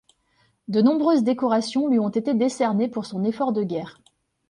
De nombreuses décorations lui ont été decernées pour son effort de guerre.